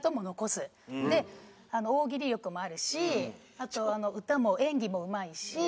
大喜利力もあるし歌も演技もうまいし。